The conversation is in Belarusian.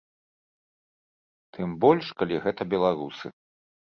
Тым больш калі гэта беларусы.